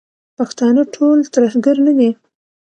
پښتانه ټول ترهګر نه دي.